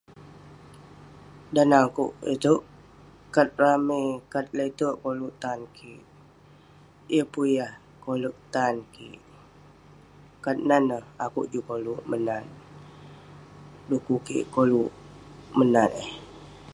Dan neh akouk itouk, kat ramey kat leterk koluk tan kik. Yeng pun yah koleg tan kik. Kat nan neh akouk juk koluk menat, dekuk kik koluk menat eh.